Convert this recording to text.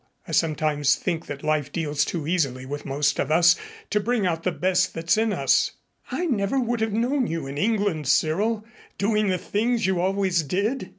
I sometimes think that life deals too easily with most of us to bring out the best that's in us. I never would have known you in England, Cyril, doing the things you always did."